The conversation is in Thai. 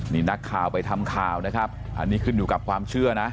นี่นักข่าวไปทำข่าวนะครับอันนี้ขึ้นอยู่กับความเชื่อนะ